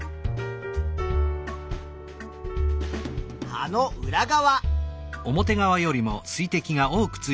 葉の裏側。